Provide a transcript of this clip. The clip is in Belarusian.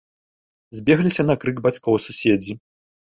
Збегліся на крык бацькоў суседзі.